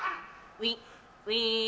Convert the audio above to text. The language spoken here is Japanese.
ウィウィン！